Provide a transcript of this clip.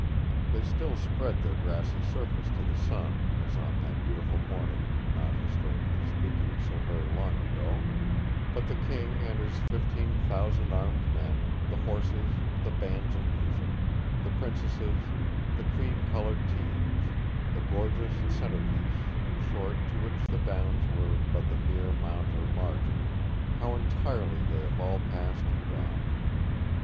They still spread their grassy surface to the sun as on that beautiful morning not, historically speaking, so very long ago; but the King and his fifteen thousand armed men, the horses, the bands of music, the princesses, the cream coloured teams the gorgeous centre piece, in short, to which the downs were but the mere mount or margin how entirely have they all passed and gone!